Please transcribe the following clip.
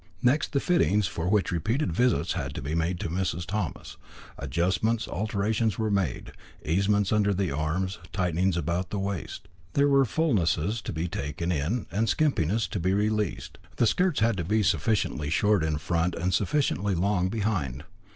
Next the fittings, for which repeated visits had to be made to Mrs. Thomas. Adjustments, alterations were made, easements under the arms, tightenings about the waist. There were fulnesses to be taken in and skimpiness to be redressed. The skirts had to be sufficiently short in front and sufficiently long behind.